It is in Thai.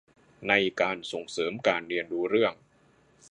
ในการส่งเสริมการเรียนรู้เรื่อง